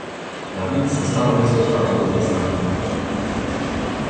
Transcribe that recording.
Navíc se stal místostarostou města.